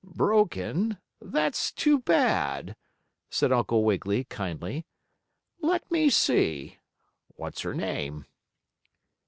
"Broken? That's too bad!" said Uncle Wiggily, kindly. "Let me see. What's her name?"